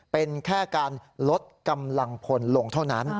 เป็นแค่การลดกำลังพลลงเท่านั้น